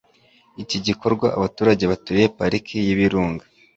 Iki gikorwa abaturage baturiye Pariki y'Ibirunga